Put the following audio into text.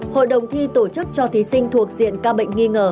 hội đồng thi tổ chức cho thí sinh thuộc diện ca bệnh nghi ngờ